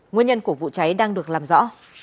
nguyên nhân của vụ cháy đang được làm rõ